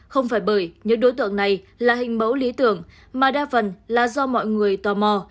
không phải bởi những đối tượng này là hình mẫu lý tưởng mà đa phần là do mọi người tò mò